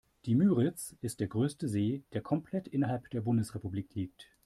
Die Müritz ist der größte See, der komplett innerhalb der Bundesrepublik liegt.